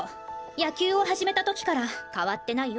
野球を始めた時から変わってないよ。